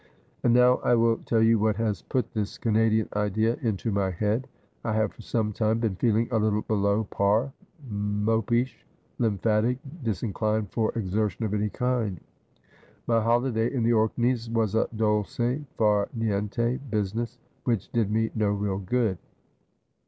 ' And now I will tell you what has put this Canadian idea into my head. I have for some time been feeling a little below par — mopish, lymphatic, disinclined for exertion of any kind. My holiday in the Orkneys was a dolce far niente business, which did me no real good.